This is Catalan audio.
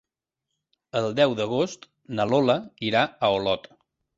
El deu d'agost na Lola irà a Olot.